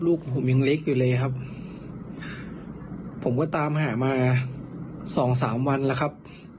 ลูกผมยังเล็กอยู่เลยครับผมก็ตามหามาสองสามวันแล้วครับ